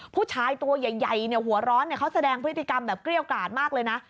ผู้ชายตัวใหญ่หัวร้อนเขาแสดงพฤติกรรมแบบเกรี้ยวกราดมากเลยนะ